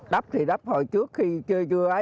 đắp thì đắp hồi trước khi chưa vừa